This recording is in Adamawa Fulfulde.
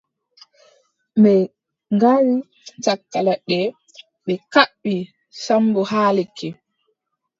Ɓe ngari caka ladde ɓe kaɓɓi Sammbo haa lekki.